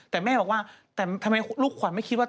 แต่แม่บอกว่าแต่ทำไมลูกขวัญไม่คิดว่า